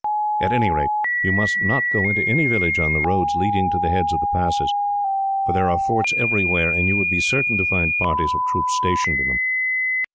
At any rate, you must not go into any villages on the roads leading to the heads of the passes; for there are forts everywhere, and you would be certain to find parties of troops stationed in them.